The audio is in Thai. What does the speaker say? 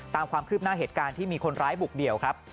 ตามความคืบหน้าเหตุการณ์ที่มีคนร้ายบุกเดี่ยวครับ